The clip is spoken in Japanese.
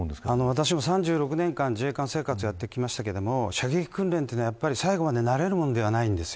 私も３６年間自衛官生活をやってきましたが、射撃訓練は最後まで慣れるものではないんです。